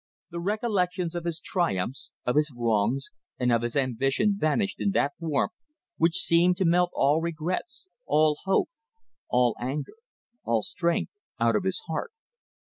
The recollections of his triumphs, of his wrongs and of his ambition vanished in that warmth, which seemed to melt all regrets, all hope, all anger, all strength out of his heart.